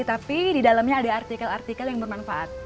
tapi di dalamnya ada artikel artikel yang bermanfaat